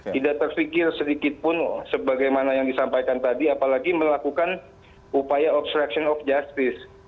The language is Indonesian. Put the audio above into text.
tidak terfikir sedikit pun sebagaimana yang disampaikan tadi apalagi melakukan upaya obstruction of justice